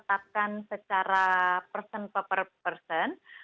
tetapkan secara person per person